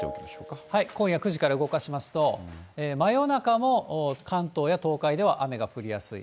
今夜９時から動かしますと、真夜中も関東や東海では雨が降りやすい。